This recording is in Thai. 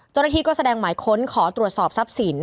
เจ้าหน้าที่ก็แสดงหมายค้นขอตรวจสอบทรัพย์สิน